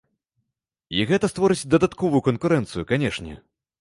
І гэта створыць дадатковую канкурэнцыю, канешне.